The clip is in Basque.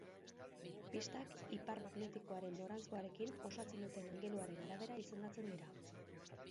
Pistak ipar magnetikoaren noranzkoarekin osatzen duten angeluaren arabera izendatzen dira.